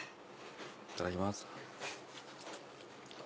いただきます。